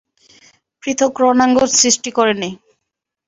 পৃথক রণাঙ্গন সৃষ্টি করেননি।